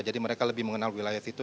jadi mereka lebih mengenal wilayah situ